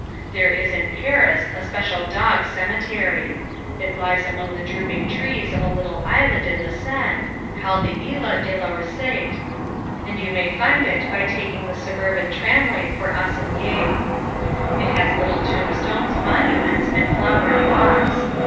There is in Paris a special dog cemetery. It lies among the drooping trees of a little island in the Seine, called the Isle de la Recette, and you may find it by taking the suburban tramway for Asnières. It has little tombstones, monuments, and flowered walks.